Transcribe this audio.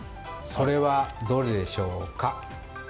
それは、どれでしょうか？